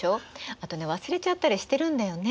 あとね忘れちゃったりしてるんだよね。